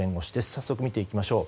早速見ていきましょう。